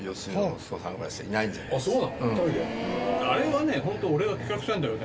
あれはねホント俺が企画したんだけどね